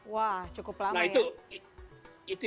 wah cukup lama ya